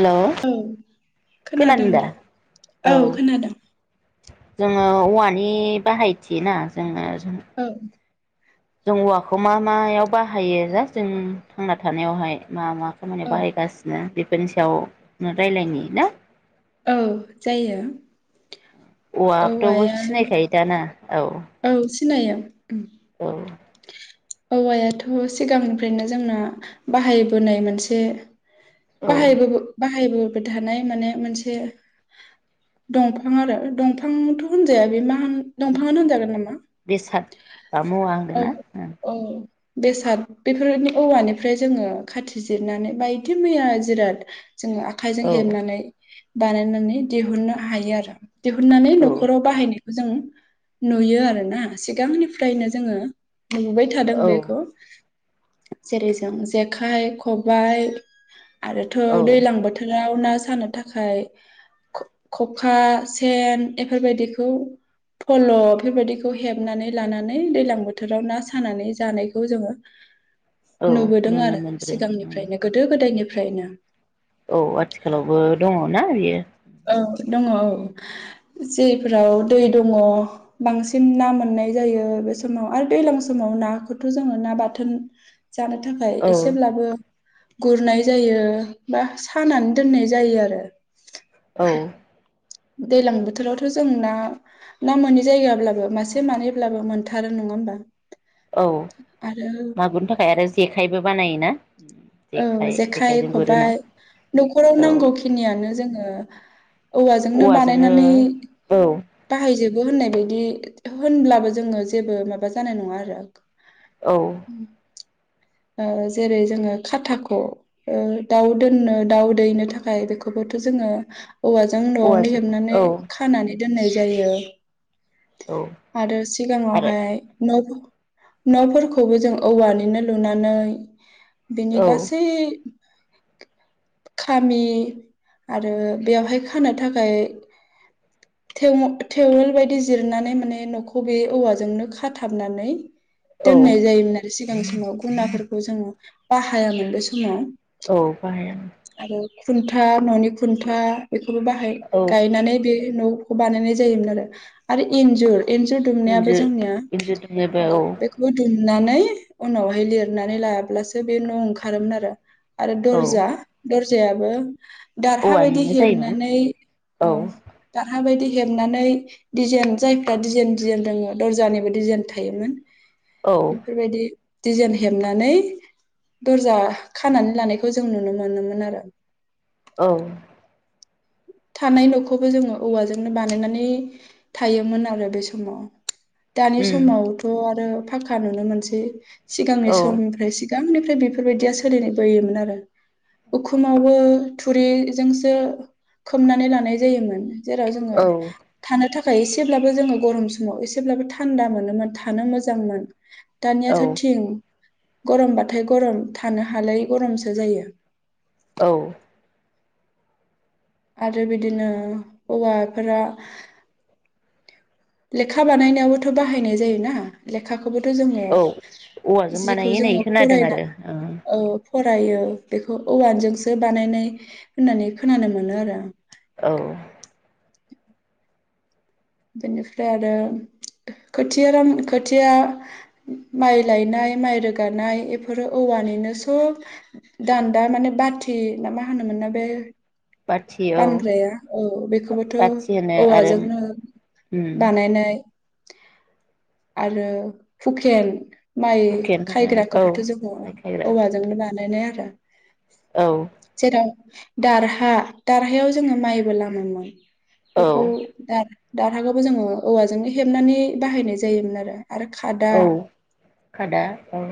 Hello औ खोनादों दा औ जोङो औवानि बाहायथि ना जोङो जों औ जों औवाखौ मा मायाव बाहायो जा जों थांना थानायावहाय मा मा खामानियाव औ बाहायगासिनो बेफ बेनि सायाव रायलायनि ना? औ जायो। औवाया औवाखौथ' सिनायखायो दा ना? औ सिनायो उम औ औवायाथ' सिगांनिफ्रायनो जोंना बाहायबोनाय मोनसे औ बाहायबो बाहायबो थानाय माने मोनसे दंफां आरो दंफांथ' होनजाया बे मा होन दंफाङानो होनजागोन नामा? बेसाद मुवा औ आरोना। औ बेसाद बेफोरनि औवानिफ्राय जोङो खाथिजिरनानै बा इदि मैया जिराद जोङो आखाइजों औ हेबनानै बानायनानै दिहुननो हायो आरो दिहुननानै औ न'खराव बाहायनो जों नुयो आरोना सिगांनिफ्रायनो जोङो नुुबोबाय थादों औ बेखौ जेरै जों जेखाइ खबाय आरोथ' औ दैलां बोथोराव ना सानो थाखाय आ खखा सेन बेफोरबायदिखौ फल' बेफोरबायदिखौ हेबनानै लानानै दैलां बोथोर बोथोराव ना सानानै जानायखौ जोङो औ नुबोदों नुनो आरो मोनबोदों सिगांनिफ्रायनो गोदो गोदायनिफ्राय ओमफ्रायनो औ आथिखालावबो दङ ना इयो? औ दङ' औ जेफोराव दै दङ' बांसिन ना मोननाय जायो बे समाव आरो दैज्लां समाव नाखौथ' जोङो ना बाथोन जानो थाखाय औ एसेब्लाबो गुरनाय जायो बा सानानै दोननाय जायो आरो औ। दैलां बोथोरावथ' जों ना ना मोनै जायगाब्लाबो मासे मानैब्लाबो मोनथारो नङा होमबा? औ आरो मागुरनि थाखाय आरो जेखाइबो बानायोना? औ जेखाइ जेखाइजों गुरोना खबबाय न'खराव औ नांगौखिनियानो जोङो औवाजोंनो बानायनानै औ बाहायजोबो बो होननाय बायदि होनब्लाबो जोङो जेबो माबा जानाय नङा आरो औ। ओ जेरै जोङो खाथाखौ दाउ दोननो दाउ दैनो थाखाय बेखौबोथ' जोङो औवाजों न'आवनो औवाजों औ हेबनानै खानानै दोननाय जायो। औ आरो आरो सिगाङावहाय न'फो न'फोरखौबो जों औवानिनो लुनानै बिनि औ गासै खामि आरो बेवहाय खानो थाखाय थेम थेवल बायदि जिरनानै माने नखौ बे औवाजोंनो खाथाबनानै औ दोननाय जायोमोन आरो सि गां समाव गुनाफोरखौ जों बाहायामोन बे समाव। औ बाहाया मोन। आरो खुन्था ननि खुन्था बेखौबो बाहाय औ गायनानै बे न खौ बानायनाय जायोमोन आरो आरो इन्जुर एन्जुर दुमनायाबो इन्जुर जोंनिया इन्जुर दुमनोबो ओ औ बेखौ दुम नानै उनावहाय लिरनानै लायाब्लासो बे न ओंखारोमोन आरो। आरो औ दर्जा दर्ज जायाबो दारहा बायदि औवानिनो जायोमोन हेबनानै औ ओ हा बायदि हेबनानै डिजेन जायफ्रा डिजेन डिजेन रोङो दरजानिबो डिजेन थायोमोन। औ एफोरबायदि दिजेन हेबनानै दरजा खानानै लानायखौ जों नुनो मोनोमोन आरो। औ। थानाय नखौबो जोङो औवाजोंनो बानायनानै थायोमोन आरो बे समाव। दानि उम समावथ आरो फाखा नुनो मोनसै। सिगांनि औ समनिफ्राय‌ सि गांनिफ्राय बेफोरबायदिया सोलिनायबोयोमोन आरो उखुमावबो थुरिजोंसो खोमनानै लानाय जायोमोन। जेराव जोङो औ थानो थाख खाय एसेब्लाबो जोङो गरम समाव एसेब्लाबो थान्दा मोनोमोन थानो मोजांमोन। औ दानियाथ थिं। गरमबाथाय गरम थानो हालायै गरमसो जायो। औ। आरो बिदिनो औवाफोरा लेखा बानायनायावबोथ बाहायनाय जायोना लेखाखो खौबोथ जोङो औवाजों बानायो जिखौ होननाय जोङो खोनादों फरायना आरो ओ फरायो बेखौ औवानजोंसो बानायनाय होननानै खोनानो मोनो आरो औ बेनिफ्राय आरो खोथिया रान खोथिया माइ लायनाय माइ रोगानाय बेफोरो औवानिनो सब दान्दा माने बाथि ना मा होनोमोन ना बे बाथि औ बानग्राया औ बेखौबोथ बाथि होनो आरो औवाजोंनो उम बानायनाय [unintelligible] आरो हुकेन माइ हुकेन होनो औ खायग्राखौबोथ' जोङो माइ खायग्रा औवाजोंनो बानाय बानायनाय आरो। औ। जेराव दारहा दारहायाव जोङो माइबो लामोमोन। औ बेखौ दा दारहाखौबो जोंङो औवाजों हेबनानै बाहायनाय जाय जायोमोन आरो। आरो खादा औ खादा औ।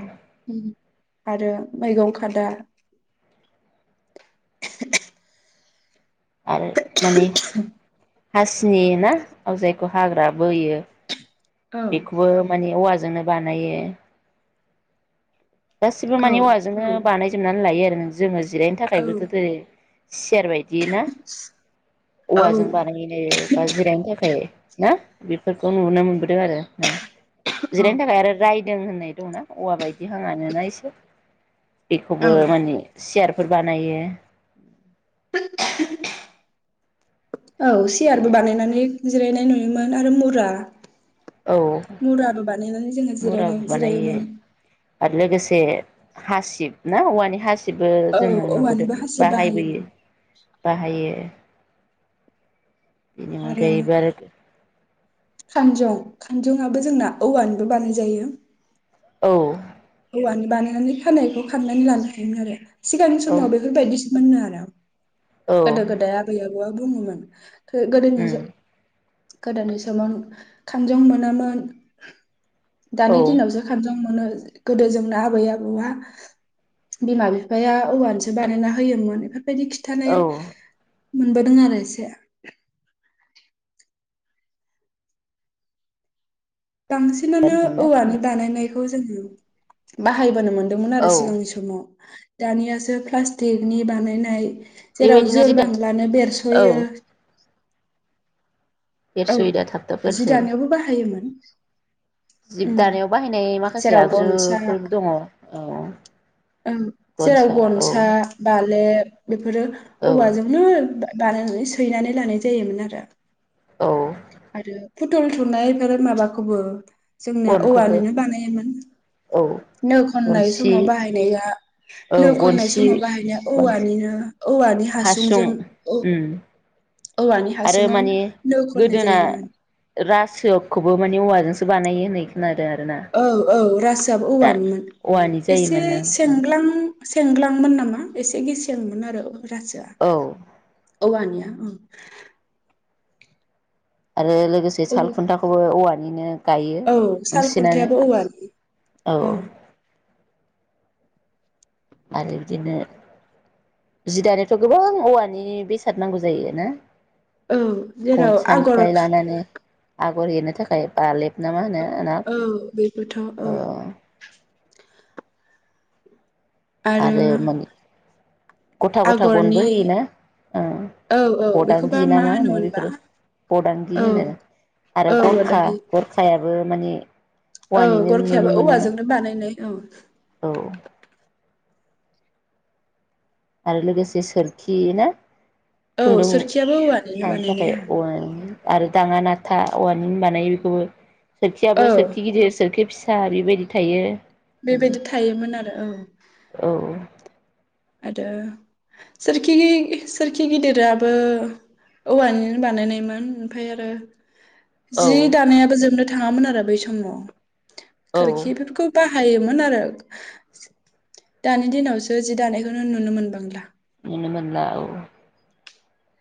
आरो मैगं खादा आरो माने हासिनि ना? औ जायखौ हाग्रा बोयो। औ बेखौबो माने औवाजो जोंनो बानायो। गासिबो औ माने औवाजोंनो बानायजोबनानै लायो आरो जोङो जिरायनो थाखायबोथ' [unintelligible] सियार बायदि ना औ औवाजों बानायो बा जिरायनो थाखाय ना बेफोरखौ नुनो मोनबो नुनो मोनदों आरो ना? जिरायनो थाखाय आरो राय दों होननाय दंना औवा बायदि। [unintelligible] आनो ना एसे औ बेखौबो माने सियार फोर बानायो। [unintelligible] औ सियारबो बिदिनो बानायनानै जिरायनाय नुयोमोन आरो मुरा औ मुराबो बानायनानै जोङो जिरायनाय मुराबो बानायो जिरायोमोन आरो लोगोसे हासिब ना औवानि हासिब गासिबो औ जोङो नुबोदों औवानिबो हासिब बाहायोमोन बाहायबोयो बाहायो। बिनि अनगायैबो आरो खानजं खानजङाबो जोंना औवानिबो बानायजायो औ। औवानि बानायनानै खानायखौ खाननानै लानो हायोमोन आरो सिगांनि औ समाव बेफोरबायदि मोननो आरो औ गोदो गोदाय आबै आबौवा बुङोमोन उम गोदोनिजों गोदोनि समाव खानजं मोनामोन दानि औ दिनावसो खानजं मोनो [unintelligible] गोदो जोंना आबै आबौआ बिमा बिफाया औवानिसो बानायना होयोमोन। बिदि खिन्थानाय औ मोनबोदों आरो एसे [unintelligible] बांसिनानो जोंना औवानि बानायनाय जोङो बाहायबोनो मोन हादोंमोन आरो औ सिगांनि समाव दानियासो प्लास्टिकनि बानायनाय जेराव बेबायदिनो जोर जि दायो बांलानो बेरस'यो औ औ बेरस'यो दा थाब थाब जि दानायावबो बाहायोमोन [inaudible] जि उम दानायाव बाहायनाय माखासे जेराव आगजुफोर दङ औ औ जेराव गनसा बालेब बेफोरो औ औवाजोंनो बानायनानै सैनानै लानाय जायोमोन आरो औ आरो फुथुल थुनायफोर माबाखौबो जोंना गनखौबो औवानिनो बानायोमोन औ नो खननाय गनसि समाव बाहायनाया औ नो खननाय गनसि समाव बाहायनाया औवानि औवानि हासुं हासुंजों औ उम औवानि आरो हासुङाव माने नोखौ गोदोना रासखौबो माने औवाजोंसो बानायो होननाय खोनादो आरो औ औ रासोआबो औवानिमोन औवानि एसे जायोमोननो सेंग्लां सेंग्लाङमोन नामा एसे गेसेंमोन आरो रासोआ औ औवानिया आरो लोगोसे औ सालखुन्थाखौबो औवानिनो गायो औ साल बांसिनानो खुन्थायाबो औवानि औ आरो बिदिनो जि दानायाथ' गोबां औवानि बेसाद नांगौ जायो ना औ जेराव आगर गनसानिफ्राय खा लानानै आगर एरनो थाखाय बालेबना मा होनो ना औ बेखौथ' औ आरो माने गथा गथा गनबो आगरनि होयोना औ औ ओ बेखौबा अदांगांगि ना मा होनो होनोमोनबा बेफोरो बदांगि औ होनो आरो औ गरखा आदाहि गरखायाबो माने औ औवानिनो नुनो गरखायाबो मोनो औवाजोंनो बानायनाय औ औ आरो लोगोसे सोरखि ना औ खुन्दुं सोरखियाबो औवानिनो सानो थाखाय बानायनाय औ औवानि आरो दाङा नाथा औवानि बानायो बेखौबो औ सोरखियाबो सोरखि गिदिर सोरखि फिस सा बेबायदि थायो। बेबायदि थायोमोन आरो औ औ आरो सोरखि सोरखि गिदिराबो औवानि बानायनायमोन ओमफ्राय आरो औ जि दानायाबो जोबनो थाङामोन आरो बै समाव औ खोरखि फोरखौ बा हायोमोन आरो दानि दिनावसो जि दानाय खौनो नुनो मोनबांला नुनो मोनला औ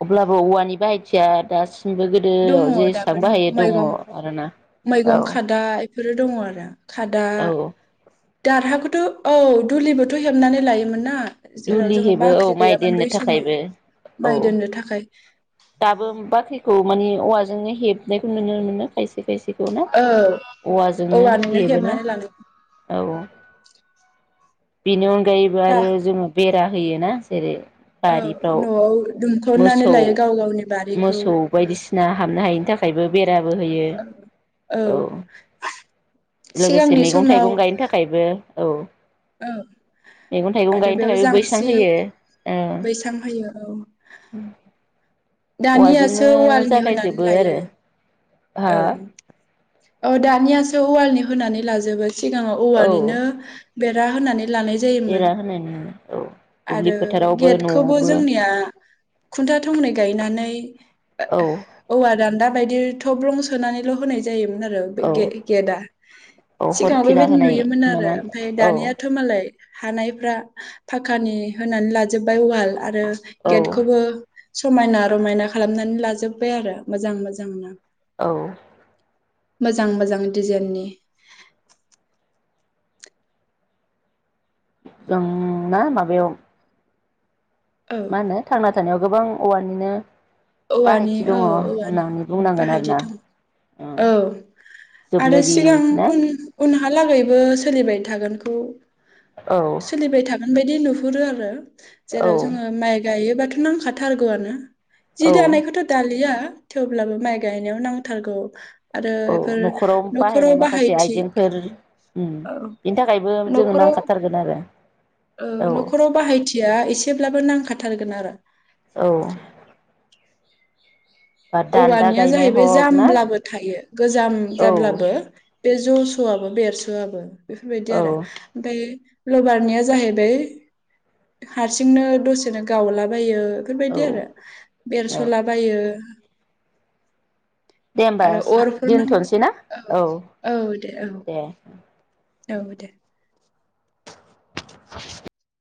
अब्लाबो औवानि बाहायथिया दा बो दङ गोदोआव दाबो जेसेबांबो हायो दङ मैगं आरोना औ बेफोरो दङ आरो खादा औ दारहाखौथ' औ दुलिबोथ' हेबनानै लायोमोन ना जेराव दुलि जोङो हेबो बाख्रि औ माइ गैयामोन दोननो बै समाव थाखायबो माइ औ दोननो थाखाय मानि औवाजोंनो हेब जायखौ नुनो मोनो फायसै खायसेखौनो औ औवाजोंनो औवानिनो हेबोना हेबनानै लानाय औ औ बिन उन जायोबा बा आरो जोङो बे फुजा होयो ना जेरै औ बारिफ्राव न'आव दुमथ'नानै मोसौ लायो गाव गावनि बारिखौ मोसौ बायदिसिना हाबनो हायिनि थाख थाखायबो बे राबो होयो औ लोगोसे सिगांनि मैगं समाव थाइगं गायनो थाखायबो औ औ मैगं थाइगं आरो गायनो बेयाव थाखायबो बैसां जांस्रि होयो बैसां होयो औ दानियासो औवाजोंनो वालनि होनानै जागायजोबो लायो आरो हा औ औ दानियासो वालनि होनानै लाजोबबाय। सिगाङाव औ औवानिनो बेरा होनानै लानाय जायो मोन बेरा होनाय नुनो औ दुब्लि आरो फोथारावबो गेटखौबो न'आवबो जोंनिया खुन्थिया थंनै होनानै औ औवा दान्दा बायदि थब्लं सोनानैल' होनाय जा जायोमोन आरो बे औ गे-गेटआ औ सिगाङाव हरखिला बेबायदि होनाय नुयोमोन आरो नामा ओमफ्राय औ दानियाथ' मालाय हानायफ्रा फाकानि होनानै लाजोबबाय अवाल आरो औ गेटखौबो समायना रमायना खालामनानै लाजोब्बाय आरो मोजां मोजां नो औ मोजां मोजां डिजाइननि जोंना माबायाव औ मा होनो थांना थानायाव गोबां औवानिनो औवानि बाहायथि दङ औ औवानि होननानै बुंनांगोन बाहायदि आरोना दं उम औ जोबनो आरो गैयि सिगां ना उन-उनाव हालागैबो सोलिबाय थागोनखौ औ सोलिबाय थागोन बायदि नु नुहरो आरो औ जेराव जोङो माइ गायोबा थ नांखाथारगौआनो जि औ दानायखौथ' दालिया थेवब्लाबो माइ गायनायाव नांथारगौ। आरो औ एफोर न'खराव न'खराव बाहायनाय माखासे बाहायथि आइजेंफोर उम औ बेनि थाखायबो जोंनो न'खराव नांखाथारगोन आरो औ न'खराव बाहायथिया एसेब्लाबो नांखा थारगोन आरो। औ बा दान्दा औवानिया गायनाय जाहैबाय हक ना जामब्लाबो थायो गोजाम औ जाब्लाबो बे जस' आबो बेरसोआबो बेफोरबायदि औ आरो ओमफाय लबारनिया जाहैबाय हारसिंनो दसेनो गावलाबायो बेफोरबायदि औ आरो बेरस लाबायो दे होमबा आरो सा अरफोर नां दोनथ नोसै ना औ औ औ दे औ दे [inaudible]